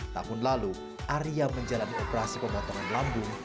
tahun lalu arya menjalani operasi pemotongan lambung